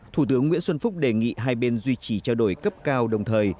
thủ tướng nguyễn xuân phúc đề nghị hai bên duy trì trao đổi cấp cao đồng thời